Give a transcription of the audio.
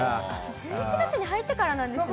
１１月に入ってからなんですね。